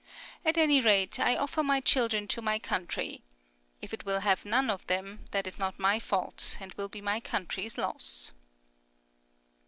At any rate, I offer my children to my country. If it will have none of them, that is not my fault, and will be my country's loss.